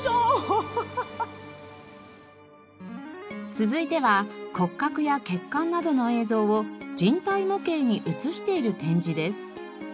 続いては骨格や血管などの映像を人体模型に映している展示です。